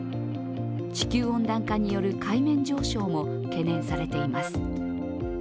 地球温暖化による海面上昇も懸念されています。